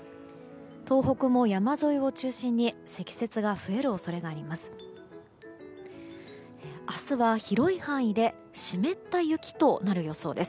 東北も山沿いを中心に積雪が増える恐れがあります。